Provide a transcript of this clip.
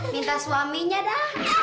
minta suaminya dah